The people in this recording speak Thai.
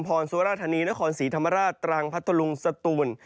กรรณ์สิวระษณีย์และกรรณ์ศรีธรรมราชดรังพัฒน์ตรงสตูน